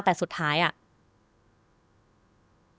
แต่สุดท้ายอ่ะ